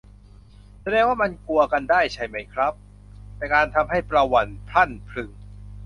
แสดงว่ามันกลัวกันได้ใช่ไหมครับ การทำให้ประหวั่นพรั่นพรึง